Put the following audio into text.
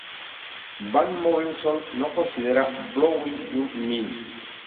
Van Morrison no considera "Blowin' Your Mind!